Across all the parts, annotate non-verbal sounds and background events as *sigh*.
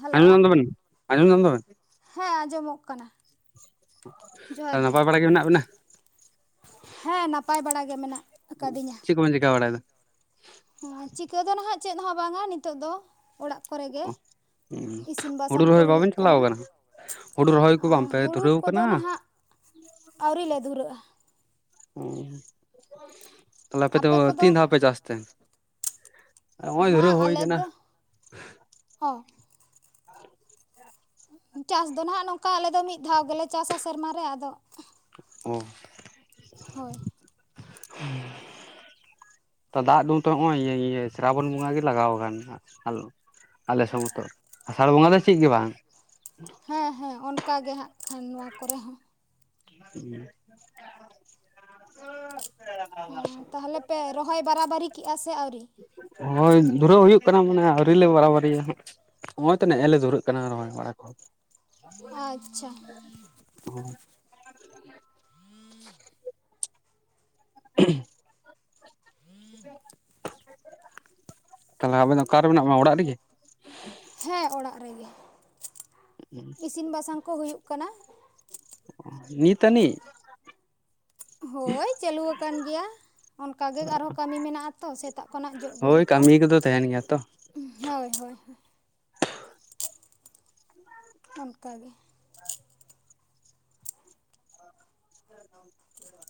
Hello ᱟᱸᱡᱚᱢ ᱧᱟᱢ ᱫᱟᱵᱮᱱ ᱟᱸᱡᱚᱢ ᱧᱟᱢ ᱫᱟᱵᱮᱱ? ᱦᱮᱸ ᱟᱸᱡᱚᱢᱚᱜ ᱠᱟᱱᱟ᱾ ᱟᱫᱚ ᱱᱟᱯᱟᱭ ᱵᱟᱲᱟ ᱜᱮ ᱢᱮᱱᱟᱜ ᱵᱤᱱᱟ? ᱦᱮᱸ ᱱᱟᱯᱟᱭ ᱵᱟᱲᱟ ᱜᱮ ᱢᱮᱱᱟᱜ ᱟᱠᱟᱫᱤᱧᱟ ᱪᱮᱫ ᱠᱚᱵᱮᱱ ᱪᱮᱠᱟ ᱵᱟᱲᱟᱭ ᱫᱚ? ᱦᱮᱸ ᱪᱤᱠᱟᱹ ᱫᱚ ᱱᱟᱦᱟᱜ ᱪᱮᱫ ᱦᱚᱸ ᱵᱟᱝᱟ ᱱᱤᱛᱚᱜ ᱫᱚ ᱚᱲᱟᱜ ᱠᱚᱨᱮ ᱜᱮ᱾ ᱤᱥᱤᱱ ᱦᱩᱲᱩ ᱵᱟᱥᱟᱝ ᱠᱚ ᱨᱚᱦᱚᱭ ᱦᱩᱭᱩᱜ ᱵᱟᱵᱮᱱ ᱪᱟᱞᱟᱣ ᱠᱟᱱᱟ᱾ ᱟᱠᱟᱱᱟ ᱦᱩᱲᱩ ᱨᱚᱦᱚᱭ ᱠᱚ ᱟᱨ ᱵᱟᱝᱯᱮ ᱦᱩᱲᱩ ᱫᱷᱩᱨᱟᱹᱣ ᱠᱚᱫᱚ ᱟᱠᱟᱱᱟ? ᱱᱟᱦᱟᱜ ᱟᱹᱣᱨᱤ ᱞᱮ ᱫᱷᱩᱨᱟᱹᱜᱼᱟ᱾ ᱚ ᱛᱟᱦᱞᱮ ᱟᱯᱮ ᱫᱚ ᱛᱤᱱ ᱫᱷᱟᱣ ᱯᱮ ᱪᱟᱥ ᱛᱮ? ᱱᱚᱜᱼᱚᱭ ᱦᱮᱸ ᱫᱷᱩᱨᱟᱹᱣ ᱦᱩᱭ ᱟᱞᱮ ᱟᱠᱟᱱᱟ ᱫᱚ, ᱦᱮᱸ᱾ ᱪᱟᱥ ᱫᱚ ᱱᱟᱦᱟᱜ ᱱᱚᱝᱠᱟ ᱟᱞᱮ ᱫᱚ ᱢᱤᱫ ᱫᱷᱟᱣ ᱜᱮᱞᱮ ᱪᱟᱥᱟ ᱥᱮᱨᱢᱟ ᱨᱮ ᱟᱫᱚ ᱦᱩᱸ᱾ ᱦᱳᱭ᱾ ᱫᱟᱜ ᱫᱩᱛ ᱦᱚᱸᱜᱼᱚᱭ ᱤᱭᱟᱹ ᱤᱭᱟᱹ ᱥᱨᱟᱵᱚᱱ ᱵᱚᱸᱜᱟ ᱜᱮ ᱞᱟᱜᱟᱣ ᱠᱟᱱ ᱦᱟᱸᱜ ᱟᱫᱚ ᱟᱞᱮ ᱥᱮᱫ ᱢᱚᱛᱚ ᱟᱥᱟᱲ ᱵᱚᱸᱜᱟ ᱫᱚ ᱪᱮᱫ ᱜᱮ ᱵᱟᱝ᱾ ᱦᱮᱸ ᱦᱮᱸ ᱚᱱᱠᱟ ᱜᱮ ᱦᱟᱸᱜ ᱠᱷᱟᱱ ᱱᱚᱣᱟ ᱠᱚᱨᱮ ᱦᱚᱸ᱾ *inaudible* ᱦᱮᱸ ᱛᱟᱦᱚᱞᱮ ᱯᱮ ᱨᱚᱦᱚᱭ ᱵᱟᱨᱟᱵᱟᱨᱤ ᱠᱮᱫᱼᱟ ᱥᱮ ᱟᱹᱣᱨᱤ? ᱦᱳᱭ ᱫᱷᱩᱨᱟᱹᱣ ᱦᱩᱭᱩᱜ ᱠᱟᱱᱟ ᱢᱟᱱᱮ ᱟᱹᱣᱨᱤ ᱞᱮ ᱵᱟᱨᱟᱵᱟᱨᱤᱭᱟ ᱦᱟᱸᱜ᱾ ᱦᱚᱸᱜ-ᱚᱭ ᱛᱚ ᱱᱮᱜᱼᱮ ᱞᱮ ᱫᱷᱩᱨᱟᱹᱜ ᱠᱟᱱᱟ ᱨᱚᱦᱚᱭ ᱵᱟᱲᱟ ᱠᱚ ᱟᱪᱪᱷᱟ *unintelligible* *inaudible* ᱛᱟᱦᱚᱞᱮ ᱟᱵᱮᱱ ᱫᱚ ᱚᱠᱟᱨᱮ ᱢᱮᱱᱟᱜ ᱵᱮᱱᱟ ᱚᱲᱟᱜ ᱨᱮᱜᱮ? ᱦᱮᱸ ᱚᱲᱟᱜ ᱨᱮᱜᱮ ᱤᱥᱤᱱ ᱵᱟᱥᱟᱝ ᱠᱚ ᱦᱩᱭᱩᱜ ᱠᱟᱱᱟ ᱾ ᱱᱤᱛ ᱟᱹᱱᱤᱡ ᱦᱳᱭ ᱪᱟᱹᱞᱩ ᱟᱠᱟᱱ ᱜᱮᱭᱟ ᱾ ᱚᱱᱠᱟ ᱜᱮ ᱟᱨᱦᱚᱸ ᱠᱟᱹᱢᱤ ᱢᱮᱱᱟᱜ ᱟᱛᱚ ᱥᱮᱛᱟᱜ ᱠᱷᱚᱱᱟᱜ ᱡᱚᱜ ᱜᱤᱰᱤ ᱠᱚ ᱱᱤᱭᱟ ᱠᱚᱫᱚ ᱛᱟᱦᱮᱱ ᱜᱮᱭᱟ ᱛᱚ ᱾ ᱦᱳᱭ ᱦᱳᱭ ᱦᱳᱭ᱾ ᱚᱱᱠᱟᱜᱮ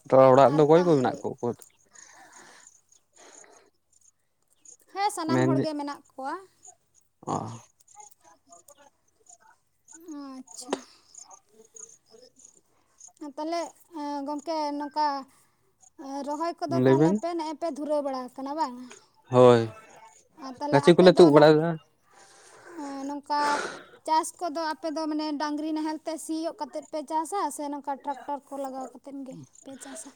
ᱛᱚ ᱚᱲᱟᱜ ᱟᱨ ᱨᱮᱫᱚ ᱚᱠᱚᱭ ᱠᱚ ᱛᱟᱦᱚᱞᱮ ᱢᱮᱱᱟᱜ ᱠᱟ ᱠᱚ? ᱦᱮᱸ ᱥᱟᱱᱟᱢ ᱢᱮᱱ ᱦᱚᱲᱜᱮ ᱢᱮᱱᱟᱜ ᱠᱚᱣᱟ ᱾ ᱚ ᱟᱪᱪᱷᱟ᱾ ᱛᱟᱦᱚᱞᱮ ᱜᱚᱢᱠᱮ ᱱᱚᱝᱠᱟ ᱨᱚᱦᱚᱭ ᱠᱚᱫᱚ ᱞᱟᱹᱭ ᱛᱟᱦᱚᱞᱮ ᱵᱮᱱ ᱯᱮ ᱱᱮ ᱯᱮ ᱫᱷᱩᱨᱟᱹᱣ ᱵᱟᱲᱟ ᱟᱠᱟᱱᱟ ᱵᱟᱝ? ᱦᱳᱭ ᱟᱨ ᱜᱟᱹᱪᱷᱤ ᱠᱚᱞᱮ ᱛᱩᱫ ᱵᱟᱲᱟᱭᱫᱟ ᱾ ᱚᱸ ᱱᱚᱝᱠᱟ ᱪᱟᱥ ᱠᱚᱫᱚ ᱟᱯᱮ ᱫᱚ ᱢᱟᱱᱮ ᱰᱟᱹᱝᱨᱤ ᱱᱟᱦᱮᱞ ᱛᱮ ᱥᱤᱭᱩᱜ ᱠᱟᱛᱮ ᱯᱮ ᱪᱟᱥᱟ ᱥᱮ ᱱᱚ ᱴᱨᱟᱠᱴᱚᱨ ᱠᱚ ᱞᱟᱜᱟᱣ ᱠᱟᱛᱮᱫ ᱜᱮᱯᱮ ᱪᱟᱥᱟ?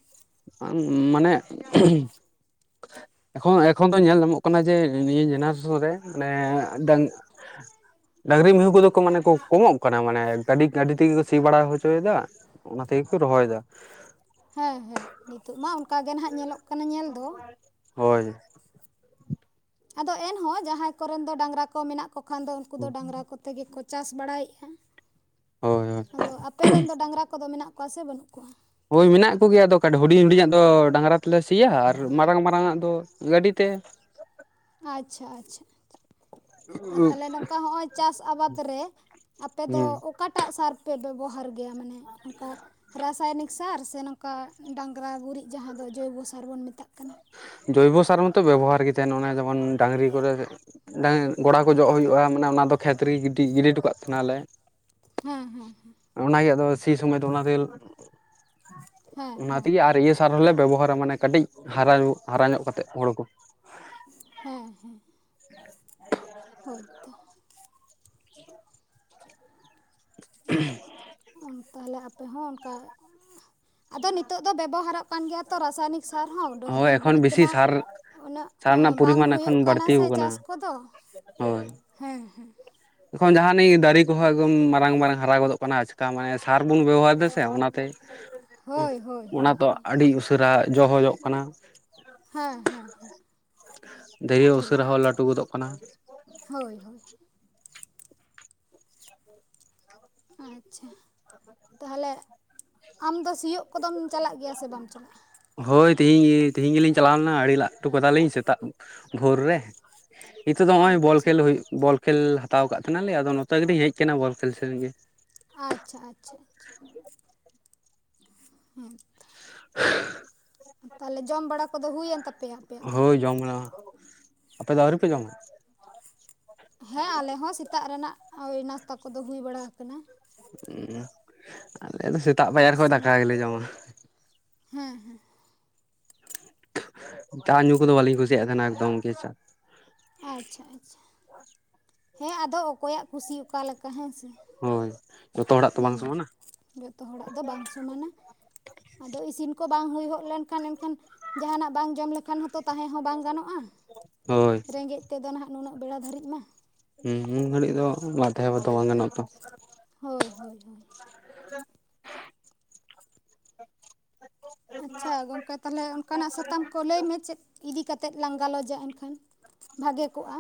ᱢᱟᱱᱮ ᱮᱠᱷᱚᱱ ᱮᱠᱷᱚᱱ ᱫᱚ ᱧᱮᱞ ᱧᱟᱢᱚᱜ ᱠᱟᱱᱟ ᱡᱮ ᱱᱤᱭᱟᱹ ᱡᱮᱱᱟᱨᱮᱥᱚᱱ ᱨᱮ ᱢᱟᱱᱮ ᱰᱟᱹᱝ ᱰᱟᱹᱝᱨᱤ ᱢᱤᱦᱩ ᱠᱚᱫᱚ ᱠᱚ ᱢᱟᱱᱮ ᱠᱚ ᱠᱚᱢᱚᱜ ᱠᱟᱱᱟ ᱢᱟᱱᱮ ᱜᱟᱹᱰᱤ ᱜᱟᱹᱰᱤ ᱛᱮᱜᱮ ᱠᱚ ᱥᱤ ᱵᱟᱲᱟ ᱦᱚᱪᱚ ᱭᱮᱫᱟ ᱾ ᱚᱱᱟ ᱛᱮᱜᱮᱠᱚ ᱨᱚᱦᱚ ᱭᱮᱫᱟ ᱾ ᱦᱮᱸ ᱦᱮᱸ ᱱᱤᱛᱳᱜ ᱢᱟ ᱚᱱᱠᱟ ᱜᱮ ᱱᱟᱦᱟᱜ ᱧᱮᱞᱚᱜ ᱠᱟᱱᱟ ᱧᱮᱞ ᱫᱚ ᱾ ᱦᱳᱭ, ᱟᱫᱚ ᱮᱱᱦᱚᱸ ᱡᱟᱦᱟᱸᱭ ᱠᱚᱨᱮᱱ ᱫᱚ ᱰᱟᱝᱨᱟ ᱠᱚ ᱢᱮᱱᱟᱜ ᱠᱚ ᱠᱷᱟᱱ ᱫᱚ ᱩᱱᱠᱩ ᱫᱚ ᱰᱟᱝᱨᱟ ᱠᱚ ᱛᱮᱜᱮᱠᱚ ᱪᱟᱥ ᱵᱟᱲᱟᱭᱮᱫ-ᱟ ᱾‌ ᱦᱳᱭ ᱦᱳᱭ ᱟᱫᱚ ᱟᱯᱮ ᱨᱮᱱ ᱫᱚ ᱰᱟᱝᱨᱟ ᱠᱚᱫᱚ ᱢᱮᱱᱟᱜ ᱠᱚᱣᱟ ᱥᱮ ᱵᱟᱹᱱᱩᱜ ᱠᱚᱣᱟ? ᱦᱳᱭ ᱢᱮᱱᱟᱜ ᱠᱚᱜᱮᱭᱟ ᱟᱫᱚ ᱠᱚ ᱦᱩᱰᱤᱧ ᱦᱩᱰᱤᱧᱟᱜ ᱫᱚ ᱰᱟᱝᱨᱟ ᱛᱮᱞᱮ ᱥᱤᱭᱟ ᱟᱨ ᱢᱟᱨᱟᱝ ᱢᱟᱨᱟᱝᱼᱟᱜ ᱫᱚ ᱜᱟᱹᱰᱤ ᱛᱮ, ᱟᱪᱪᱷᱟ ᱟᱪᱪᱷᱟ ᱟᱪᱪᱷᱟ ᱟᱨ ᱛᱟᱦᱞᱮ ᱱᱚᱝᱠᱟ ᱦᱚᱸᱼᱚᱭ ᱪᱟᱥ ᱟᱵᱟᱫ ᱨᱮ ᱟᱯᱮ ᱫᱚ ᱦᱩᱸ ᱚᱠᱟᱴᱟᱜ ᱥᱟᱨ ᱯᱮ ᱵᱮᱵᱚᱦᱟᱨ ᱜᱮᱭᱟ ᱢᱟᱱᱮ ᱱᱚᱝᱠᱟ ᱨᱟᱥᱟᱭᱚᱱᱤᱠ ᱥᱟᱨ ᱥᱮ ᱱᱚᱝᱠᱟ ᱰᱟᱝᱨᱟ ᱜᱩᱨᱤᱡ ᱡᱟᱦᱟᱸ ᱫᱚ ᱡᱳᱭᱵᱚ ᱥᱟᱨ ᱵᱚᱱ ᱢᱮᱛᱟᱜ ᱠᱟᱱᱟ? ᱡᱳᱭᱵᱚ ᱥᱟᱨ ᱢᱟᱛᱚ ᱵᱮᱵᱚᱦᱟᱨ ᱜᱮ ᱛᱟᱦᱮᱱ ᱚᱱᱮ ᱡᱮᱢᱚᱱ ᱰᱟᱝᱨᱤ ᱠᱚᱨᱮ ᱰᱟᱹᱝ ᱜᱚᱲᱟ ᱠᱚ ᱡᱚᱜ ᱦᱩᱭᱩᱜ-ᱟ ᱢᱟᱱᱮ ᱚᱱᱟ ᱫᱚ ᱠᱷᱮᱛ ᱨᱮᱜᱮ ᱜᱤᱰᱤ ᱜᱤᱰᱤ ᱦᱚᱴᱚ ᱠᱟᱜ ᱛᱟᱦᱮ ᱱᱟᱞᱮ ᱾ ᱦᱮᱸ ᱦᱮᱸ ᱦᱮᱸ, ᱚᱱᱟᱜᱮ ᱟᱫᱚ ᱥᱤ ᱥᱚᱢᱚᱭ ᱫᱚ ᱚᱱᱟ ᱛᱮᱜᱮ ᱦᱮᱸ ᱚᱱᱟ ᱦᱮᱸ ᱦᱮᱸ ᱛᱮᱜᱮ ᱟᱨ ᱤᱭᱟᱹ ᱥᱟᱨ ᱦᱚᱞᱮ ᱵᱮᱵᱚᱦᱟᱨᱟ ᱢᱟᱱᱮ ᱠᱟᱹᱴᱤᱡ ᱦᱟᱨᱟ ᱦᱟᱨᱟ ᱧᱚᱜ ᱠᱟᱛᱮᱫ ᱦᱚᱲᱩ ᱠᱚ ᱾ ᱦᱮᱸ ᱦᱮᱸ ᱦᱳᱭᱛᱚ ᱾ *unintelligible* ᱩᱴᱚᱱ ᱛᱟᱦᱚᱞᱮ ᱟᱯᱮ ᱦᱚᱸ ᱚᱱᱠᱟ ᱟᱫᱚ ᱱᱤᱛᱚᱜ ᱫᱚ ᱵᱮᱵᱚᱦᱟᱨᱚᱜ ᱯᱟᱱ ᱜᱮᱭᱟ ᱛᱚ ᱨᱟᱥᱟᱭᱱᱤᱠ ᱥᱟᱨ ᱦᱚᱸ ᱰᱟᱹᱝᱨᱤ ᱦᱳᱭ ᱮᱠᱷᱚᱱ ᱜᱩᱨᱤᱡ ᱵᱮᱥᱤ ᱛᱮᱢᱟ ᱥᱟᱨ ᱩᱱᱟᱹᱜ ᱥᱟᱨ ᱨᱮᱱᱟᱜ ᱵᱟᱝ ᱯᱚᱨᱤᱢᱟᱱ ᱦᱩᱭᱩᱜ ᱮᱠᱷᱚᱱ ᱠᱟᱱᱟ ᱵᱟᱹᱲᱛᱤ ᱥᱮ ᱟᱠᱟᱱᱟ ᱪᱟᱥ ᱠᱚᱫᱚ ᱦᱳᱭ ᱦᱮᱸ ᱦᱮᱸ, ᱮᱠᱷᱚᱱ ᱡᱟᱦᱟᱱᱤᱡ ᱫᱟᱨᱮ ᱠᱚᱦᱚᱸ ᱮᱠᱫᱚᱢ ᱢᱟᱨᱟᱝ ᱢᱟᱨᱟᱝ ᱦᱟᱨᱟ ᱜᱚᱫᱚᱜ ᱠᱟᱱᱟ ᱟᱪᱠᱟ ᱢᱟᱱᱮ ᱥᱟᱨ ᱵᱚᱱ ᱵᱮᱵᱚᱦᱟᱨ ᱫᱮᱥᱮ ᱚᱱᱟᱛᱮ ᱦᱳᱭ ᱦᱳᱭ ᱚᱱᱟ ᱦᱳᱭ ᱛᱚ ᱦᱳᱭ ᱟᱹᱰᱤ ᱩᱥᱟᱹᱨᱟ ᱡᱚ ᱦᱚ ᱡᱚᱜ ᱠᱟᱱᱟ ᱾ ᱦᱮᱸ ᱦᱮᱸ ᱦᱮᱸ *unintelligible* ᱴᱷᱤᱠ ᱩᱥᱟᱹᱨᱟ ᱜᱮᱭᱟ ᱦᱚᱸ ᱠᱟᱹᱴᱩ ᱜᱚᱫᱚᱜ ᱠᱟᱱᱟ ᱾ ᱦᱳᱭ ᱦᱳᱭ, ᱟᱪᱪᱷᱟ, ᱛᱟᱦᱚᱞᱮ ᱟᱢ ᱫᱚ ᱥᱤᱭᱳᱜ ᱠᱚᱫᱚᱢ ᱪᱟᱞᱟᱜ ᱜᱮᱭᱟ ᱥᱮ ᱵᱟᱢ ᱪᱟᱞᱟᱜ-ᱟ? ᱦᱳᱭ ᱛᱤᱦᱤᱧ ᱛᱤᱦᱤᱧ ᱜᱮᱞᱤᱧ ᱪᱟᱞᱟᱣ ᱞᱮᱱᱟ ᱟᱹᱲᱮ ᱞᱟᱜ ᱦᱚᱴᱚ ᱠᱟᱫᱟᱞᱤᱧ ᱥᱮᱛᱟᱜ ᱵᱷᱳᱨ ᱨᱮ᱾ ᱱᱤᱛᱚᱜ ᱫᱚ ᱦᱚᱜ-ᱚᱭ ᱵᱚᱞ ᱟᱪᱪᱷᱟ ᱠᱷᱮᱞ ᱦᱩᱭᱩᱜ ᱵᱚᱞ ᱠᱷᱮᱞ ᱦᱟᱛᱟᱣ ᱟᱠᱟᱫ ᱛᱟᱦᱮᱱᱟᱞᱮ ᱟᱫᱚ ᱱᱚᱛᱮ ᱜᱮᱞᱤᱧ ᱦᱮᱡ ᱟᱠᱟᱱᱟ ᱵᱚᱞ ᱠᱷᱮᱞ ᱥᱮᱫᱚ ᱜᱮ᱾ ᱟᱪᱪᱷᱟ ᱟᱪᱪᱷᱟ ᱟᱪᱪᱷᱟ ᱦᱮᱸ ᱛᱚ, *unintelligible* ᱛᱟᱦᱚᱞᱮ ᱡᱚᱢ ᱵᱟᱲᱟ ᱠᱚᱫᱚ ᱦᱩᱭᱮᱱ ᱛᱟᱯᱮ ᱦᱳᱭ ᱡᱚᱢ ᱵᱟᱲᱟ, ᱟᱯᱮ ᱫᱚ ᱟᱹᱣᱨᱤᱯᱮ ᱡᱚᱢᱟ? ᱦᱮᱸ ᱟᱞᱮ ᱦᱚᱸ ᱥᱮᱛᱟᱜ ᱨᱮᱱᱟᱜ ᱳᱭ ᱱᱟᱥᱛᱟ ᱠᱚᱫᱚ ᱦᱩᱭ ᱵᱟᱲᱟ ᱟᱠᱟᱱᱟ᱾ ᱚᱸ ᱟᱞᱮ ᱫᱚ ᱥᱮᱛᱟᱜ ᱯᱟᱭᱟᱨ ᱠᱷᱚᱡ ᱫᱟᱠᱟ ᱜᱮᱞᱮ ᱡᱚᱢᱟ᱾ ᱦᱮᱸᱦᱮᱸ, ᱪᱟ ᱧᱩ ᱠᱚᱫᱚ ᱵᱟᱹᱞᱤᱧ ᱠᱩᱥᱤᱭᱟᱜ ᱛᱟᱦᱮᱱᱟ ᱮᱠᱫᱚᱢ ᱜᱮ ᱪᱟ ᱟᱪᱪᱷᱟ ᱟᱪᱪᱷᱟ, ᱦᱮᱸ ᱟᱫᱚ ᱚᱠᱚᱭᱟᱜ ᱠᱩᱥᱤ ᱚᱠᱟ ᱞᱮᱠᱟ ᱦᱮᱸ ᱥᱮ, ᱦᱳᱭ ᱡᱷᱚᱛᱚ ᱦᱚᱲᱟᱜ ᱛᱚ ᱦᱩᱸ ᱵᱟᱝ ᱥᱚᱢᱚᱱᱟ ᱾ ᱡᱚᱛᱚ ᱦᱚᱲᱟᱜ ᱫᱚ ᱵᱟᱝ ᱥᱚᱢᱟᱱᱟ, ᱟᱫᱚ ᱤᱥᱤᱱ ᱠᱚ ᱵᱟᱝ ᱦᱩᱭ ᱦᱚᱜ ᱞᱮᱱᱠᱷᱟᱱ ᱮᱱᱠᱷᱟᱱ, ᱡᱟᱦᱟᱱᱟᱜ ᱵᱟᱝ ᱡᱚᱢ ᱞᱮᱠᱷᱟᱱ ᱦᱚᱸᱛᱚ ᱛᱟᱦᱮᱸ ᱦᱚᱸ ᱵᱟᱝ ᱜᱟᱱᱚᱜ-ᱟ᱾ ᱦᱳᱭ ᱨᱮᱸᱜᱮᱡ ᱛᱮ ᱫᱚ ᱱᱟᱜ ᱱᱩᱱᱟᱹᱜ ᱵᱮᱲᱟ ᱫᱷᱟᱹᱨᱤᱡ ᱢᱟ᱾ ᱦᱮᱸ, ᱱᱩᱱ ᱜᱷᱟᱹᱲᱤᱡ ᱫᱚ ᱵᱟᱝ ᱛᱟᱦᱮᱣᱟ ᱛᱚ ᱵᱟᱝ ᱜᱟᱱᱚᱜ-ᱟ ᱛᱚ, ᱦᱳᱭ ᱦᱳᱭ ᱦᱳᱭ, *unintelligible* ᱟᱪᱪᱷᱟ, ᱜᱚᱢᱠᱮ ᱛᱟᱦᱚᱞᱮ ᱚᱱᱠᱟᱱᱟᱜ ᱥᱟᱛᱟᱢ ᱠᱚ ᱞᱟᱹᱭ ᱢᱮ ᱪᱮᱫ ᱤᱫᱤ ᱠᱟᱛᱮᱫ ᱞᱟᱝ ᱜᱟᱞᱚᱪᱟ ᱮᱱ ᱠᱷᱟᱱ ᱵᱷᱟᱜᱮ ᱠᱚᱜ-ᱟ᱾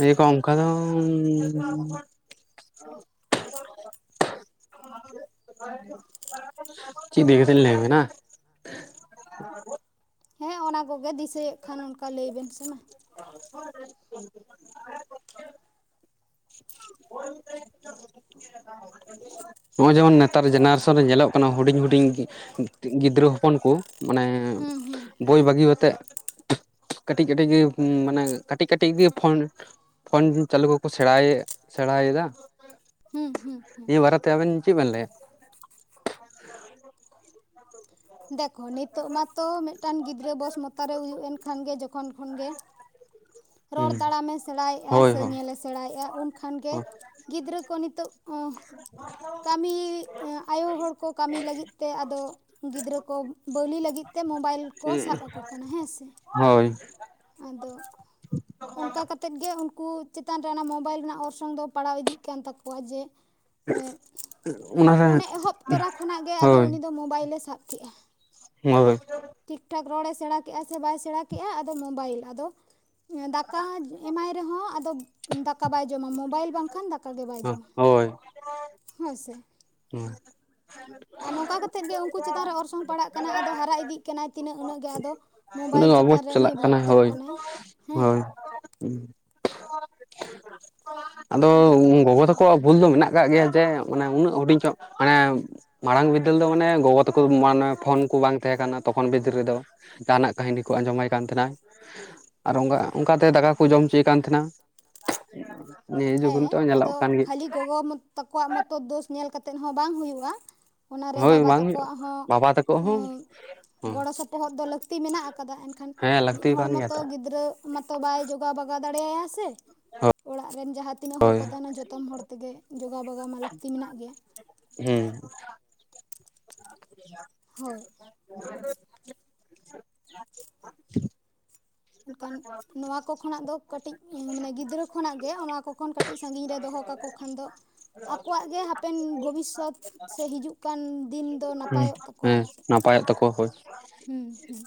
ᱤᱭᱟᱹ ᱠᱚ ᱚᱝᱠᱟ ᱫᱚᱝ, *unintelligible* ᱪᱮᱫ ᱤᱫᱤ ᱠᱟᱛᱮᱧ ᱞᱟᱹᱭ ᱵᱤᱱᱟ? *unintelligible* ᱦᱮᱸ, ᱚᱱᱟ ᱠᱚᱜᱮ ᱫᱤᱥᱟᱹᱭᱮᱫ ᱠᱷᱟᱱ ᱚᱱᱠᱟ ᱞᱟᱹᱭ ᱵᱤᱱ ᱥᱮ ᱢᱟ ᱾ *unintelligible* *unintelligible* ᱦᱚᱸᱜ-ᱚᱭ ᱡᱮᱢᱚᱱ ᱱᱮᱛᱟᱨ ᱡᱮᱱᱟᱨᱮᱥᱚᱱ ᱨᱮ ᱧᱮᱞᱚᱜ ᱠᱟᱱᱟ ᱦᱩᱰᱤᱧ ᱦᱩᱰᱤᱧ ᱜᱤᱫ ᱜᱤ-ᱜᱤᱫᱽᱨᱟᱹ ᱦᱚᱯᱚᱱ ᱠᱚ ᱢᱟᱱᱮ ᱦᱩᱸ ᱦᱩᱸ ᱦᱩᱸ ᱵᱳᱭ ᱵᱟᱹᱜᱤᱣ ᱟᱛᱮᱜ ᱠᱟᱹᱴᱤᱡ ᱠᱟᱹᱴᱤᱡ ᱜᱮ ᱢᱟᱱᱮ ᱠᱟᱹᱴᱤᱡ ᱠᱟᱹᱴᱤᱡ ᱜᱮ ᱯᱷᱳᱱ ᱯᱷᱳᱱ ᱪᱟᱹᱞᱩ ᱠᱚ ᱠᱚ ᱥᱮᱲᱟᱭᱮᱫ ᱥᱮᱬᱟᱭᱮᱫᱟ᱾ ᱦᱩᱸ ᱦᱩᱸ ᱦᱩᱸ, ᱛᱮ ᱟᱵᱮᱱ ᱪᱮᱫ ᱵᱮᱱ ᱞᱟᱹᱭᱟ? *unintelligible* ᱫᱮᱠᱷᱚ ᱱᱤᱛᱳᱜ ᱢᱟᱛᱚ ᱢᱤᱫᱴᱟᱝ ᱜᱤᱫᱽᱨᱟᱹ ᱵᱚᱥᱢᱚᱛᱟ ᱨᱮ ᱦᱩᱭᱩᱜ ᱮᱱ ᱠᱷᱟᱱ ᱜᱮ ᱡᱚᱠᱷᱚᱱ ᱠᱷᱚᱱ ᱜᱮ᱾ ᱨᱚᱲ ᱦᱩᱸ ᱛᱟᱲᱟᱢᱮ ᱥᱮᱬᱟᱭᱮᱫ-ᱟ ᱦᱳᱭ ᱥᱮ ᱦᱳᱭ ᱧᱮᱞᱮ ᱥᱮᱬᱟᱭᱮᱜ-ᱟ, ᱩᱱ ᱠᱷᱟᱱ ᱜᱮ ᱜᱤᱫᱽᱨᱟᱹ ᱠᱚ ᱱᱤᱛᱳᱜ ᱟᱸ ᱠᱟᱹᱢᱤ ᱮᱸ ᱟᱭᱳ ᱦᱚᱲ ᱠᱚ ᱠᱟᱹᱢᱤ ᱞᱟᱹᱜᱤᱫ ᱛᱮ ᱟᱫᱚ ᱜᱤᱫᱽᱨᱟᱹ ᱠᱚ ᱵᱟᱹᱣᱞᱤ ᱞᱟᱹᱜᱤᱫ ᱛᱮ ᱢᱳᱵᱟᱭᱤᱞ ᱠᱚ ᱥᱟᱵ ᱟᱠᱚ ᱠᱟᱱᱟ ᱦᱮᱸᱥᱮ? ᱦᱳᱭ, ᱟᱫᱚ, ᱚᱝᱠᱟ ᱠᱟᱛᱮᱫ ᱜᱮ ᱩᱱᱠᱩ ᱪᱮᱛᱟᱱ ᱨᱮ ᱚᱱᱟ ᱢᱳᱵᱟᱭᱤᱞ ᱨᱮᱱᱟᱜ ᱚᱨᱥᱚᱝ ᱫᱚ ᱯᱟᱲᱟᱣ ᱤᱫᱤᱜ ᱠᱟᱱ ᱛᱟᱠᱚᱣᱟ ᱡᱮ *inaudible* ᱚᱱᱮ ᱮᱦᱚᱵ ᱛᱚᱨᱟ ᱠᱷᱚᱱᱟᱜ ᱜᱮ ᱟᱫᱚ ᱦᱳᱭ ᱩᱱᱤ ᱫᱚ ᱢᱳᱵᱟᱭᱤᱞᱮ ᱥᱟᱵ ᱠᱮᱜ-ᱟ᱾ *inaudible* ᱴᱷᱤᱠ ᱴᱷᱟᱠ ᱨᱚᱲᱮ ᱥᱮᱬᱟ ᱠᱮᱜᱼᱟ ᱥᱮ ᱵᱟᱭ ᱥᱮᱬᱟ ᱠᱮᱜᱼᱟ ᱟᱫᱚ ᱢᱳᱵᱟᱭᱤᱞ ᱟᱫᱚ ᱫᱟᱠᱟ ᱦᱚᱸ ᱮᱢᱟᱭ ᱨᱮ ᱦᱚᱸ ᱟᱫᱚ ᱫᱟᱠᱟ ᱵᱟᱭ ᱡᱚᱢᱟ ᱢᱳᱚᱵᱟᱭᱤᱞ ᱵᱟᱝ ᱠᱷᱟᱱ ᱫᱟᱠᱟ ᱦᱳᱭ, ᱦᱳᱭ ᱥᱮ, ᱦᱩᱸ, *unintelligible* ᱟᱨ ᱱᱚᱝᱠᱟ ᱠᱟᱛᱮᱜ ᱜᱮ ᱩᱱᱠᱩ ᱪᱮᱛᱟᱱ ᱨᱮ ᱚᱨᱥᱚᱝ ᱯᱟᱲᱟᱜ ᱠᱟᱱᱟ ᱟᱫᱚ ᱦᱟᱨᱟ ᱤᱫᱤᱜ ᱠᱟᱱᱟᱭ ᱛᱤᱱᱟᱹᱜ ᱩᱱᱟᱹᱜᱮ ᱟᱫᱚ, ᱢᱳᱵᱟᱭᱤᱞ ᱟᱵᱚ ᱪᱮᱛᱟᱱ ᱨᱮ ᱩᱱᱤ ᱪᱟᱞᱟᱜ ᱠᱟᱱᱟ ᱵᱷᱚᱠᱛᱚᱜ ᱦᱳᱭ ᱠᱟᱱᱟᱭ ᱦᱮᱸ, ᱦᱳᱭ *unintelligible* *unintelligible* ᱟᱫᱚ ᱜᱚᱜᱚ ᱛᱟᱠᱚᱣᱟᱜ ᱵᱷᱩᱞ ᱫᱚ ᱢᱮᱱᱟᱜ ᱠᱟᱜ ᱜᱮᱭᱟ ᱡᱮ ᱩᱱᱟᱹᱜ ᱦᱩᱰᱤᱧ ᱠᱷᱚᱡ ᱢᱟᱱᱮ ᱢᱟᱲᱟᱝ ᱵᱤᱫᱟᱹᱞ ᱫᱚ ᱢᱟᱱᱮ ᱜᱚᱜᱚ ᱛᱟᱠᱚ ᱢᱟ ᱯᱷᱳᱱ ᱠᱚ ᱵᱟᱝ ᱛᱟᱦᱮᱸ ᱛᱚᱠᱷᱚᱱ ᱵᱤᱫᱟᱹᱞ ᱨᱮ ᱫᱚ। ᱡᱟᱦᱟᱱᱟᱜ ᱠᱟᱹᱦᱤᱱᱤ ᱠᱚ ᱟᱸᱡᱚᱢᱟᱭ ᱠᱟᱱ ᱛᱟᱦᱮᱸᱱᱟᱭ ᱟᱨ ᱚᱝᱠᱟ ᱚᱱᱠᱟᱛᱮ ᱫᱟᱠᱟ ᱠᱚ ᱡᱚᱢᱪᱚᱭᱮ ᱠᱟᱱ ᱛᱟᱦᱮᱱᱟ। *unintelligible* ᱦᱮᱸ, ᱱᱤᱛᱚᱜ ᱟᱫᱚ ᱧᱮᱞᱚᱜ ᱠᱟᱱ ᱜᱮ ᱠᱷᱟᱹᱞᱤ ᱜᱚᱜᱚ ᱛᱟᱠᱚᱣᱟᱜ ᱢᱚᱛᱚ ᱫᱳᱥ ᱧᱮᱞ ᱠᱟᱛᱮᱜ ᱦᱚᱸ ᱵᱟᱝ ᱦᱩᱭᱩᱜᱼᱟ ᱾ ᱚᱱᱟᱨᱮ ᱦᱳᱭ ᱵᱟᱵᱟ ᱵᱟᱝ ᱦᱩᱭᱩᱜ ᱛᱟᱠᱚᱣᱟᱜ ᱦᱚᱸ ᱵᱟᱵᱟ ᱛᱟᱠᱚ ᱦᱚᱸ ᱚᱸᱻ ᱜᱚᱲᱚ ᱥᱚᱯᱚᱦᱚᱫᱽ ᱫᱚ ᱞᱟᱹᱠᱛᱤ ᱢᱮᱱᱟᱜ ᱟᱠᱟᱫᱟ ᱮᱱᱠᱷᱟᱱ, ᱦᱮᱸ ᱢᱤᱫ ᱞᱟᱹᱠᱛᱤ ᱦᱚᱲ ᱠᱟᱱ ᱜᱮᱭᱟ ᱢᱚᱛᱚ ᱛᱚ ᱜᱤᱫᱽᱨᱟᱹ ᱢᱟᱛᱚ ᱵᱟᱭ ᱡᱚᱜᱟᱣ ᱵᱟᱜᱟᱣ ᱫᱟᱲᱮᱟᱭᱟ ᱥᱮ, ᱚᱲᱟᱜ ᱨᱮᱱ ᱡᱟᱦᱟᱸ ᱛᱤᱱᱟᱹᱜ ᱦᱚᱲ ᱦᱳᱭ ᱠᱚ ᱛᱟᱦᱮᱸᱱᱟ ᱡᱚᱛᱚᱢ ᱦᱚᱲ ᱛᱮᱜᱮ ᱡᱚᱜᱟᱣ ᱵᱟᱜᱟᱣ ᱢᱟ ᱞᱟᱹᱠᱛᱤ ᱢᱮᱱᱟᱜ ᱜᱮᱭᱟ᱾ ᱦᱮᱸ᱾ ᱦᱳᱭ *unintelligible* ᱮᱱᱠᱷᱟᱱ ᱱᱚᱣᱟ ᱠᱚ ᱠᱷᱚᱱᱟᱜ ᱫᱚ ᱠᱟᱹᱴᱤᱡ ᱢᱟᱱᱮ ᱜᱤᱫᱽᱨᱟᱹ ᱠᱷᱚᱱᱟᱜ ᱜᱮ ᱱᱚᱣᱟ ᱠᱚ ᱠᱷᱚᱱ ᱠᱟᱹᱴᱤᱡ ᱥᱟᱺᱜᱤᱧ ᱨᱮ ᱫᱚᱦᱚ ᱠᱟᱠᱚ ᱠᱷᱚᱱ ᱫᱚ ᱟᱠᱚᱣᱟᱜ ᱜᱮ ᱦᱟᱯᱮᱱ ᱵᱷᱚᱵᱤᱥᱚᱛ ᱥᱮ ᱦᱤᱡᱩᱜ ᱠᱟᱱ ᱫᱤᱱ ᱫᱚ ᱱᱟᱯᱟᱭᱚᱜ ᱛᱟᱠ ᱦᱮᱸ ᱱᱟᱯᱟᱭᱚᱜ ᱛᱟᱠᱚᱣᱟ ᱦᱳᱭ᱾ ᱦᱩᱸ ᱦᱩᱸ᱾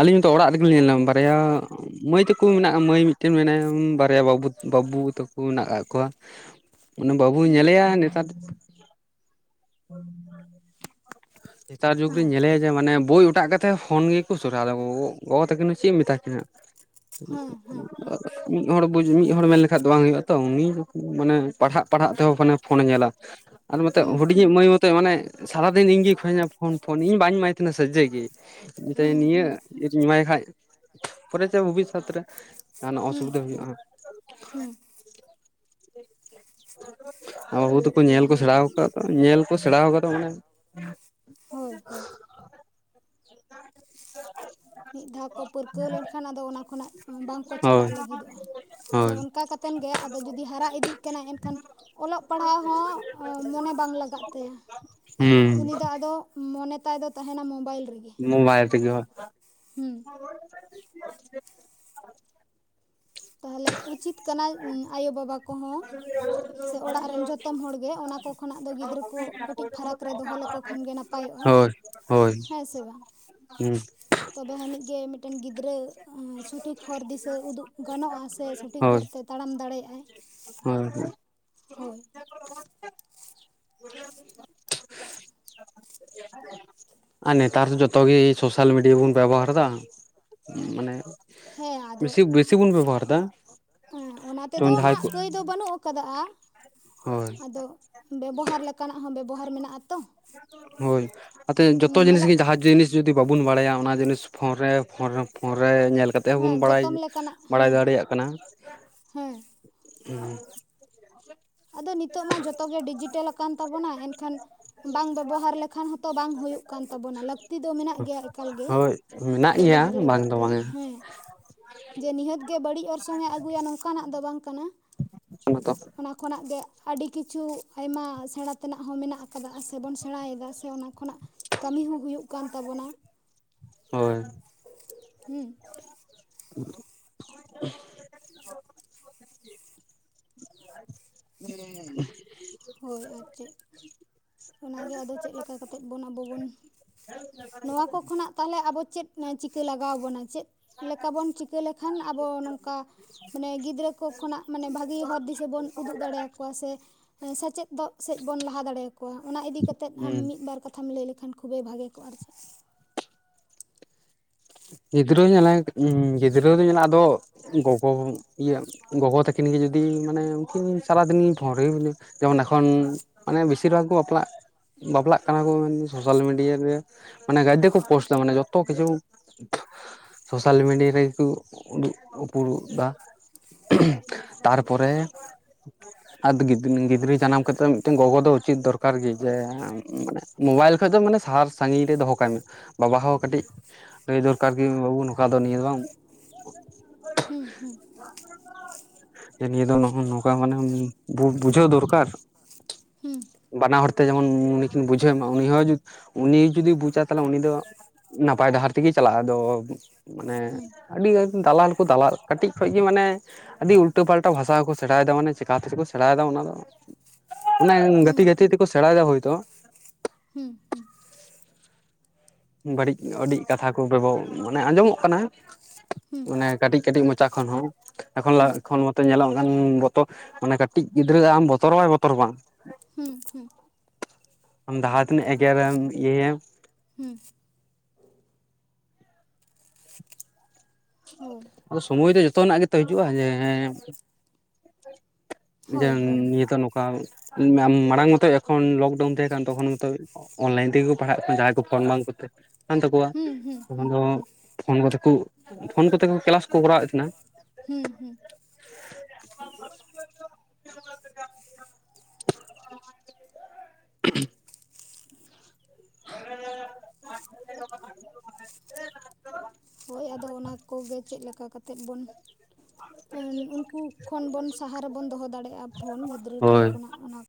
ᱟᱹᱞᱤᱧ ᱱᱤᱛᱚᱜ ᱚᱲᱟᱜ ᱨᱮᱜᱮᱞᱤᱧᱦᱮᱞᱮᱱᱟ ᱵᱟᱨᱭᱟ ᱢᱟᱹᱭ ᱛᱟᱠᱚ ᱢᱮᱱᱟᱜ ᱢᱟᱹᱭ ᱢᱤᱫᱴᱮᱱ ᱢᱮᱱᱟᱭᱟ, ᱵᱟᱨᱭᱟ ᱵᱟᱹᱵᱩ ᱵᱟᱹᱵᱩ ᱛᱟᱠᱚ ᱢᱮᱱᱟᱜ ᱠᱟ ᱠᱚᱣᱟ᱾ ᱚᱱᱮ ᱵᱟᱹᱵᱩᱭ ᱧᱮᱞᱮᱭᱟ ᱱᱮᱛᱟᱨ ᱱᱮᱛᱟᱨ ᱡᱩᱜᱽ ᱨᱮᱧ ᱧᱮᱞᱮᱭᱟ ᱡᱮ ᱢᱟᱱᱮ ᱵᱳᱭᱚᱴᱟᱜ ᱠᱟᱛᱮᱫ ᱯᱷᱳᱱ ᱜᱮᱠᱚ ᱥᱚᱨᱟᱫᱟᱠᱚ ᱜᱚ-ᱵᱟᱵᱟ ᱛᱟᱹᱠᱤᱱ ᱫᱚ ᱪᱮᱫ ᱮᱢ ᱢᱮᱛᱟᱠᱤᱱᱟ? *unintelligible* ᱢᱤᱫ ᱦᱚᱲ ᱵᱩᱡ ᱢᱤᱫ ᱦᱚᱲ ᱢᱮᱱᱞᱮᱠᱷᱟᱱ ᱫᱚ ᱵᱟᱝ ᱦᱩᱭᱩᱜᱼᱟ ᱛᱚ, ᱩᱱᱤ ᱢᱟᱱᱮ ᱯᱟᱲᱦᱟᱜ ᱯᱟᱲᱦᱟᱜ ᱛᱮᱦᱚᱸ ᱢᱟᱱᱮ ᱯᱷᱳᱱᱮ ᱧᱮᱞᱟ, ᱟᱨ ᱢᱟᱛᱚ ᱦᱮᱸ ᱦᱮᱸ ᱦᱩᱰᱤᱧᱤᱡ ᱢᱟᱹᱭ ᱢᱟᱛᱚᱭ ᱢᱟᱱᱮ ᱥᱟᱨᱟᱫᱤᱱ ᱤᱧᱜᱮ ᱢᱮᱛᱟᱹᱧᱟ ᱯᱷᱳᱱ ᱯᱷᱳᱱ ᱤᱧ ᱵᱟᱹᱧ ᱮᱢᱟᱭ ᱛᱟᱦᱮᱱᱟ ᱥᱟᱡᱮ ᱜᱮ, ᱢᱮᱛᱟᱤᱧ ᱱᱤᱭᱟᱹ ᱪᱤᱠᱟᱹᱛᱤᱧ ᱮᱢᱟᱭ ᱠᱷᱟᱡ ᱯᱚᱨᱮ ᱛᱮ ᱵᱷᱚᱵᱤᱥᱚᱛ ᱨᱮ, ᱡᱟᱦᱟᱸᱱᱟᱜ ᱦᱮᱸ ᱦᱮᱸ ᱦᱩᱸ ᱦᱩᱸ ᱦᱩᱸ ᱚᱥᱩᱵᱤᱫᱷᱟ ᱦᱩᱭᱩᱜᱼᱟ ᱦᱩᱸ ᱦᱟᱹᱜ᱾ ᱦᱩᱸ ᱵᱟᱹᱵᱩ ᱦᱩᱭᱩᱜ ᱛᱟᱠᱚ ᱜᱮᱭᱟ ᱧᱮᱞ ᱠᱚ ᱦᱳᱭ ᱥᱮᱬᱟ ᱟᱹᱠᱟᱫ ᱧᱮᱞ ᱠᱚ ᱥᱮᱬᱟ ᱟᱠᱟᱫᱟ ᱢᱟᱱᱮ ᱦᱳᱭ ᱦᱳᱭ। *unintelligible* ᱢᱤᱫ ᱫᱷᱟᱣ ᱠᱚ ᱯᱟᱹᱨᱠᱟᱹᱣ ᱞᱮᱱᱠᱷᱟᱱ ᱟᱫᱚ ᱚᱱᱟ ᱠᱷᱚᱱᱟᱜ, ᱵᱟᱝᱠᱚ ᱪᱷᱟᱰᱟᱜ ᱦᱳᱭ ᱞᱟᱹᱜᱤᱫᱚᱜᱼᱟ᱾ ᱟᱫᱚ ᱦᱳᱭ ᱚᱱᱠᱟᱠᱟᱛᱮᱱ ᱜᱮ ᱟᱫᱚ ᱡᱩᱫᱤ ᱦᱟᱨᱟ ᱤᱫᱤᱜ ᱠᱟᱱᱟ ᱮᱱᱠᱷᱟᱱ ᱚᱞᱚᱜ ᱯᱟᱲᱦᱟᱜ ᱦᱚᱸ ᱢᱚᱱᱮ ᱵᱟᱝ ᱞᱟᱜᱟᱜ ᱛᱟᱭᱟ᱾ ᱦᱮᱸ᱾ ᱩᱱᱤ ᱫᱚ ᱟᱫᱚ, ᱢᱚᱱᱮ ᱛᱟᱭ ᱫᱚ ᱛᱟᱦᱮᱱᱟ ᱢᱚᱵᱟᱭᱤᱞ ᱨᱮᱜᱮ᱾ ᱢᱳᱵᱟᱭᱤᱞ ᱛᱮᱜᱮ ᱵᱟ᱾ ᱦᱩᱸ᱾ *unintelligible* ᱛᱟᱦᱚᱞᱮ ᱩᱪᱤᱛ ᱠᱟᱱᱟᱭ ᱟᱭᱳᱼᱵᱟᱵᱟ ᱠᱚᱦᱚᱸ, ᱥᱮ ᱚᱲᱟᱜ ᱨᱮᱱ ᱡᱚᱛᱚᱢ ᱦᱚᱲ ᱜᱮ ᱚᱱᱟ ᱠᱚ ᱠᱷᱚᱱᱟᱜ ᱫᱚ ᱜᱤᱫᱽᱨᱟᱹ ᱠᱚ ᱠᱟᱹᱴᱤᱡ ᱯᱷᱟᱨᱟᱠ ᱨᱮ ᱫᱚᱦᱚ ᱞᱮᱠᱚ ᱠᱷᱟᱱ ᱜᱮ ᱱᱟᱯᱟᱭᱚᱜᱼᱟ, ᱦᱳᱭ ᱦᱳᱭ ᱦᱮᱸ ᱥᱮ ᱵᱟᱝ? ᱦᱩᱸ᱾ ᱛᱚᱵᱮ ᱟᱹᱱᱤᱡ ᱜᱮ, ᱢᱤᱫᱴᱮᱱ ᱜᱤᱫᱽᱨᱟᱹ ᱥᱚᱴᱷᱤᱠ ᱦᱚᱨ ᱫᱤᱥᱟᱹ ᱩᱫᱩᱜ ᱜᱟᱱᱚᱜᱼᱟ ᱥᱮ, ᱥᱚᱴᱷᱤᱠ ᱦᱚᱨ ᱛᱮ ᱛᱟᱲᱟᱢ ᱫᱟᱲᱮᱭᱟᱜᱼᱟᱭ᱾ ᱦᱳᱭ ᱦᱳᱭ᱾ ᱦᱳᱭ᱾ *unintelligible* ᱟᱨ ᱱᱮᱛᱟᱨ ᱫᱚ ᱡᱚᱛᱚ ᱜᱮ ᱥᱳᱥᱟᱞ ᱢᱤᱰᱤᱭᱟ ᱵᱚᱱ ᱵᱮᱵᱚᱦᱟᱨᱮᱫᱟ᱾ ᱢᱟᱱᱮ ᱦᱮᱸ ᱟᱫᱚ, ᱵᱮᱥᱤ ᱵᱮᱥᱤ ᱵᱚᱱ ᱵᱮᱵᱚᱦᱟᱨ ᱮᱫᱟ ᱮ ᱚᱱᱟ ᱛᱮᱫᱚ ᱡᱮᱢᱚᱱ ᱡᱟᱦᱟᱸᱭ ᱦᱟᱸᱜ ᱠᱚ ᱠᱟᱹᱭ ᱫᱚ ᱵᱟᱹᱱᱩᱜ ᱠᱟᱫᱟᱼᱟ, ᱦᱳᱭ ᱟᱫᱚ ᱵᱮᱵᱚᱦᱟᱨ ᱞᱮᱠᱟᱱᱟᱜ ᱦᱚᱸ ᱵᱮᱵᱚᱦᱟᱨ ᱢᱮᱱᱟᱜᱼᱟ ᱛᱚ᱾ ᱦᱳᱭ, ᱟᱛᱮ ᱡᱚᱛᱚ ᱡᱤᱱᱤᱥ ᱧᱮᱞᱚᱜ ᱜᱮ ᱡᱟᱦᱟᱸ ᱡᱤᱱᱤᱥ ᱡᱩᱫᱤ ᱵᱟᱵᱚᱱ ᱵᱟᱰᱟᱭᱟ ᱚᱱᱟ ᱡᱤᱱᱤᱥ ᱯᱷᱳᱱ ᱨᱮ ᱯᱷᱳᱱ ᱨᱮ᱾ ᱯᱷᱳᱱ ᱨᱮ ᱧᱮᱞ ᱠᱟᱛᱮᱫ ᱦᱮᱸ ᱦᱚᱸᱵᱚᱱ ᱵᱟᱲᱟᱭ, ᱡᱚᱛᱚᱢ ᱞᱮᱠᱟᱱᱟᱜ ᱵᱟᱲᱟᱭ ᱦᱮᱸ ᱫᱟᱲᱮᱭᱟᱜ ᱠᱟᱱᱟ᱾ ᱦᱮᱸ ᱦᱩᱸ᱾ ᱟᱫᱚ ᱱᱤᱛᱚᱜ ᱢᱟ ᱡᱷᱚᱛᱚ ᱜᱮ ᱰᱤᱡᱤᱴᱮᱞ ᱟᱠᱟᱱ ᱛᱟᱵᱚᱱᱟ, ᱮᱱᱠᱷᱟᱱ ᱵᱟᱝ ᱵᱮᱵᱚᱦᱟᱨ ᱞᱮᱠᱷᱟᱱ ᱦᱚᱸᱛᱚ ᱵᱟᱝ ᱦᱩᱭᱩᱜ ᱠᱟᱱ ᱛᱟᱵᱚᱱᱟ, ᱞᱟᱹᱠᱛᱤ ᱫᱚ ᱢᱮᱱᱟᱜ ᱜᱮᱭᱟ ᱮᱠᱟᱞ ᱜᱮ᱾ ᱦᱳᱭ ᱢᱮᱱᱟᱜ ᱜᱮᱭᱟ ᱵᱮᱵᱚᱦᱟᱨ ᱵᱟᱝ ᱞᱟᱹᱜᱤᱫ ᱫᱚ ᱛᱮ ᱵᱟᱝᱟ᱾ ᱦᱮᱸ ᱡᱮ ᱱᱤᱦᱟᱹᱛ ᱜᱮ ᱵᱟᱹᱲᱤᱡ ᱚᱨᱥᱚᱝ ᱮ ᱟᱹᱜᱩᱭᱟ ᱱᱚᱝᱠᱟᱱᱟᱜ ᱫᱚ ᱵᱟᱝ ᱠᱟᱱᱟ᱾ *inaudible* ᱚᱱᱟ ᱠᱷᱚᱱᱟᱜ ᱜᱮ ᱟᱹᱰᱤ ᱠᱤᱪᱷᱩ ᱟᱭᱢᱟ ᱥᱮᱬᱟ ᱛᱮᱱᱟᱜ ᱦᱚᱸ ᱢᱮᱱᱟᱜ ᱟᱠᱟᱫᱟ ᱥᱮᱵᱚᱱ ᱥᱮᱬᱟᱭᱮᱫᱟ ᱥᱮ ᱚᱱᱟ ᱠᱷᱚᱱᱟᱜ᱾ ᱠᱟᱹᱢᱤ ᱦᱚᱸ ᱦᱩᱭᱩᱜ ᱠᱟᱱ ᱛᱟᱵᱚᱱᱟ, ᱦᱳᱭ ᱦᱩᱸ᱾ *inaudible* *inaudible* ᱦᱳᱭ ᱟᱨ ᱪᱮᱫ᱾ ᱚᱱᱟ ᱜᱮ ᱟᱫᱚ ᱪᱮᱫ ᱞᱮᱠᱟ ᱠᱟᱛᱮᱫ ᱵᱚᱱ ᱟᱵᱚ ᱵᱚᱱ ᱱᱚᱣᱟ ᱠᱚ ᱠᱷᱚᱱᱟᱜ ᱛᱟᱦᱞᱮ ᱟᱵᱚ ᱪᱮᱫ ᱮᱹ ᱪᱤᱠᱟᱹ ᱞᱟᱜᱟᱣ ᱵᱚᱱᱟ ᱪᱮᱫ ᱞᱮᱠᱟ ᱵᱚᱱ ᱪᱤᱠᱟᱹ ᱞᱮᱠᱷᱟᱱ ᱟᱵᱚ ᱱᱚᱝᱠᱟ ᱢᱟᱱᱮ ᱜᱤᱫᱽᱨᱟᱹ ᱠᱚ ᱠᱷᱚᱱᱟᱜ ᱢᱟᱱᱮ ᱵᱷᱟᱹᱜᱮ ᱦᱚᱨ ᱫᱤᱥᱟᱹ ᱵᱚᱱ ᱩᱫᱩᱜ ᱫᱟᱲᱮᱭᱟᱠᱚᱣᱟ, ᱥᱮ ᱥᱮᱪᱮᱫ ᱫᱚᱜ ᱥᱮᱫ ᱵᱚᱱ ᱞᱟᱦᱟ ᱫᱟᱲᱮᱭᱟ ᱠᱚᱣᱟ, ᱚᱱᱟ ᱤᱫᱤ ᱠᱟᱛᱮᱫ ᱟᱢ ᱦᱩᱸ ᱢᱤᱫ ᱵᱟᱨ ᱠᱟᱛᱷᱟᱢ ᱞᱮᱭ ᱞᱮᱠᱷᱟᱱ ᱠᱷᱩᱵᱮᱭ ᱵᱷᱟᱜᱮ ᱠᱚᱜᱼᱟ ᱟᱨ ᱪᱮᱫ᱾ ᱜᱤᱫᱽᱨᱟᱹ ᱧᱮᱞᱟᱭ ᱩᱸ ᱜᱤᱫᱽᱨᱟᱹ ᱫᱚ ᱧᱮᱞᱟ ᱟᱫᱚ ᱜᱚᱜᱚ ᱤᱭᱟᱹ ᱜᱚᱜᱚ ᱛᱟᱹᱠᱤᱱ ᱜᱮ ᱡᱩᱫᱤ ᱢᱟᱱᱮ ᱩᱱᱠᱤᱱ ᱥᱟᱨᱟᱫᱤᱱᱤ ᱜᱤᱧ ᱯᱷᱳᱱ ᱨᱮᱜᱮ ᱢᱤᱱᱟᱹ ᱡᱮᱢᱚᱱ ᱮᱠᱷᱚᱱ ᱢᱟᱱᱮ ᱵᱮᱥᱤᱨ ᱵᱷᱟᱜᱽ ᱠᱚ ᱵᱟᱯᱞᱟᱜ ᱵᱟᱯᱞᱟᱜ ᱠᱟᱱᱟ ᱠᱚ ᱢᱮᱱ ᱫᱚ ᱥᱳᱥᱟᱞ ᱢᱤᱰᱤᱭᱟ ᱨᱮ ᱢᱟᱱᱮ ᱜᱟᱭᱫᱮ ᱠᱚ ᱯᱳᱥᱴ ᱫᱟ ᱢᱟᱱᱮ ᱡᱚᱛᱚ ᱠᱤᱪᱷᱩ ᱥᱳᱥᱟᱞ ᱢᱤᱰᱤᱭᱟ ᱨᱮᱜᱮ ᱠᱚ ᱩᱫᱩᱜ ᱩᱯᱲᱩᱜ ᱫᱟ᱾ ᱛᱟᱨᱯᱚᱨᱮ ᱟᱫ ᱜᱤᱫᱱᱤ ᱜᱤᱫᱽᱨᱟᱹ ᱡᱟᱱᱟᱢ ᱠᱟᱛᱮ ᱫᱚ ᱢᱤᱫᱴᱮᱱ ᱜᱚᱜᱚ ᱫᱚ ᱩᱪᱤᱛ ᱫᱚᱨᱠᱟᱨ ᱜᱮ ᱡᱮ ᱮ ᱢᱟᱱᱮ ᱢᱳᱵᱟᱭᱤᱞ ᱠᱷᱚᱡ ᱫᱚ ᱢᱟᱱᱮ ᱥᱟᱦᱟᱨ ᱥᱟᱜᱤᱧ ᱨᱮ ᱫᱚᱦᱚ ᱠᱟᱭ ᱢᱮ, ᱵᱟᱵᱟ ᱦᱚᱸ ᱠᱟᱹᱴᱤᱡ ᱞᱟᱹᱭ ᱫᱚᱨᱠᱟᱨ ᱠᱤ ᱵᱟᱹᱵᱩ ᱱᱚᱝᱠᱟ ᱫᱚ ᱱᱤᱭᱟᱹ ᱫᱚ ᱵᱟᱝ᱾ ᱦᱩᱸ ᱦᱩᱸ᱾ ᱡᱮ ᱱᱤᱭᱟᱹ ᱫᱚ ᱱᱚᱦᱚ ᱱᱚᱝᱠᱟ ᱢᱟᱱᱮ ᱩᱸ ᱵᱩ ᱵᱩᱡᱷᱟᱹᱣ ᱫᱚᱨᱠᱟᱨ᱾ ᱦᱩᱸ᱾ ᱵᱟᱱᱟᱦᱚᱲ ᱛᱮ ᱡᱮᱢᱚᱱ ᱩᱱᱤᱠᱤᱱ ᱵᱩᱡᱷᱟᱹᱣᱮ ᱢᱟ ᱩᱱᱤ ᱦᱚᱸ ᱡᱩ ᱩᱱᱤ ᱡᱩᱫᱤ ᱵᱩᱪᱟ ᱛᱟᱞᱦᱮ ᱩᱱᱤ ᱫᱚ ᱱᱟᱯ ᱯᱟᱭ ᱰᱟᱦᱟᱨ ᱛᱮᱜᱮ ᱪᱟᱞᱟᱜᱼᱟ, ᱟᱫᱚ ᱢᱟᱱᱮ ᱦᱩᱸ ᱟᱹᱰᱤ ᱟᱭ ᱫᱟᱞᱟᱞ ᱠᱚ ᱫᱟᱞᱟᱞ, ᱠᱟᱹᱴᱤᱡ ᱠᱷᱚᱡ ᱜᱮ ᱢᱟᱱᱮ ᱟᱹᱰᱤ ᱩᱞᱴᱟᱹ ᱯᱟᱞᱴᱟ ᱵᱷᱟᱥᱟ ᱦᱚᱸᱠᱚ ᱥᱮᱬᱟᱭᱮᱫᱟ ᱢᱟᱱᱮ ᱪᱮᱠᱟᱛᱮᱪᱚ ᱠᱚ ᱥᱮᱬᱟᱭᱮᱫᱟ ᱚᱱᱟ ᱫᱚ᱾ ᱚᱱᱮ ᱦᱩᱸ ᱜᱟᱛᱮ ᱜᱟᱛᱮ ᱛᱮᱠᱚ ᱥᱮᱬᱟᱭᱮᱫᱟ ᱦᱳᱭᱛᱚ᱾ ᱦᱩᱸ ᱦᱩᱸ᱾ ᱵᱟᱹᱲᱤᱡ ᱟᱹᱰᱤᱡ ᱠᱟᱛᱷᱟ ᱠᱚ ᱵᱮᱵᱚ ᱢᱟᱱᱮ ᱟᱸᱡᱚᱢᱚᱜ ᱠᱟᱱᱟ᱾ ᱚᱱᱮ ᱠᱟᱹᱴᱤᱡ ᱠᱟᱹᱴᱤᱡ ᱢᱚᱪᱟ ᱠᱷᱚᱱ ᱦᱚᱸ᱾ ᱮᱠᱷᱚᱱ ᱞᱟ ᱮᱠᱷᱚᱱ ᱢᱟᱛᱚ ᱧᱮᱞᱚᱜ ᱠᱟᱱ ᱵᱚᱛᱚ ᱢᱟᱱᱮ ᱠᱟᱹᱴᱤᱡ ᱜᱤᱫᱽᱨᱟᱹ ᱟᱢ ᱵᱚᱛᱚᱨ ᱵᱟᱭ ᱵᱚᱛᱚᱨ ᱟᱢᱟ᱾ ᱦᱩᱸ ᱦᱩᱸ᱾ ᱟᱢ ᱫᱟᱦᱟ ᱛᱤᱱᱟᱹᱜ ᱮᱜᱮᱨᱮᱢ ᱤᱭᱟᱹᱭᱮᱢ, ᱦᱳᱭ ᱟᱫᱚ ᱥᱚᱢᱚᱭ ᱫᱚ ᱡᱷᱚᱛᱚ ᱱᱟᱜ ᱜᱮᱛᱚ ᱦᱤᱡᱩᱜᱼᱟ ᱡᱮ ᱡᱮ ᱦᱳᱭ ᱦᱳᱭ ᱱᱤᱭᱟᱹ ᱛᱚ ᱱᱚᱠᱟ ᱢᱟ ᱢᱟᱲᱟᱝ ᱢᱟᱛᱚ ᱮᱠᱷᱚᱱ ᱞᱚᱠᱰᱟᱣᱩᱱ ᱛᱟᱦᱮᱸ ᱠᱟᱱ ᱛᱚᱠᱷᱚᱱ ᱢᱟᱛᱚ ᱚᱱᱞᱟᱭᱤᱱ ᱛᱮᱜᱮ ᱠᱚ ᱯᱟᱲᱦᱟᱜ ᱠᱟᱱᱟ ᱡᱟᱦᱟᱸᱭ ᱠᱚ ᱯᱷᱳᱱ ᱵᱟᱝ ᱠᱚ ᱛᱟᱦᱮ ᱠᱟᱱ ᱛᱟᱠᱚᱣᱟ᱾ ᱦᱩᱸ ᱦᱩᱸ ᱛᱚᱠᱷᱚᱱ ᱦᱩᱸ ᱫᱚ ᱯᱷᱳᱱ ᱠᱚᱛᱮ ᱠᱚ ᱯᱷᱳᱱ ᱠᱚᱛᱮ ᱠᱚ ᱠᱮᱞᱟᱥ ᱠᱚ ᱠᱚᱨᱟᱣᱮᱜ ᱛᱟᱦᱮᱸᱱᱟ᱾ ᱦᱩᱸ ᱦᱩᱸ, *unintelligible* ᱦᱳᱭ ᱟᱫᱚ ᱚᱱᱟ ᱠᱚᱜᱮ ᱪᱮᱫ ᱞᱮᱠᱟ ᱠᱟᱛᱮᱫ ᱵᱚᱱ ᱦᱩᱸ ᱩᱱᱠᱩ ᱠᱷᱚᱱ ᱵᱚᱱ ᱥᱟᱦᱟ ᱨᱮᱵᱚᱱ ᱫᱚᱦᱚ ᱫᱟᱲᱮᱭᱟᱜᱼᱟ ᱯᱷᱳᱱ ᱜᱤᱫᱽᱨᱟᱹ ᱴᱷᱮᱱ ᱦᱳᱭ ᱠᱷᱚᱱᱟᱜ ᱚᱱᱟ,